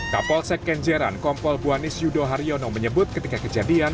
kapolsek kenjeran kompol buanis yudo haryono menyebut ketika kejadian